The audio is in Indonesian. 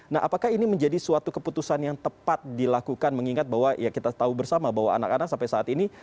nah apakah ini menjadi suatu keputusan yang tepat dilakukan mengingat bahwa ya kita tahu bersama bahwa anak anak sampai saat ini